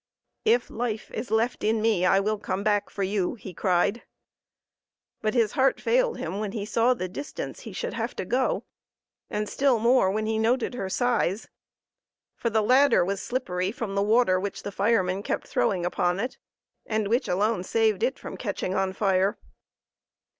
"If life is left in me, I will come back for you," he cried. But his heart failed him when he saw the distance he should have to go, and still more when he noted her size. For the ladder was slippery from the water which the firemen kept throwing upon it, and which alone saved it from catching on fire.